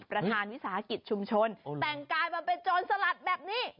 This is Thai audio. วิสาหกิจชุมชนแต่งกายมาเป็นโจรสลัดแบบนี้